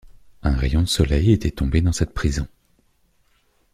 Un rayon de soleil était tombé dans cette prison.